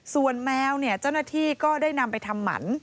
ส่วนแมวเจ้าหน้าที่ก็ได้นำไปทำหมัน